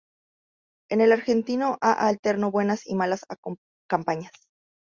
En el Argentino A alternó buenas y malas campañas.